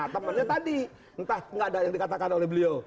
temannya tadi entah nggak ada yang dikatakan oleh beliau